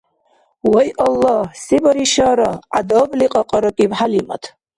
«Вай Аллагь, се баришара!», гӀядабли кьакьаракӀиб ХӀялимат.